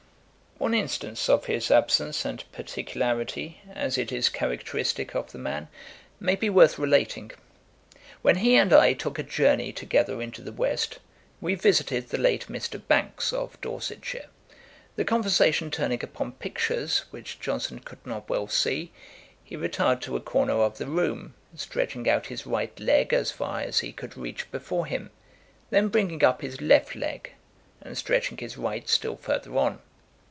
'One instance of his absence and particularity, as it is characteristick of the man, may be worth relating. When he and I took a journey together into the West, we visited the late Mr. Banks, of Dorsetshire; the conversation turning upon pictures, which Johnson could not well see, he retired to a corner of the room, stretching out his right leg as far as he could reach before him, then bringing up his left leg, and stretching his right still further on.